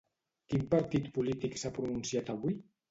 Quin partit polític s'ha pronunciat avui?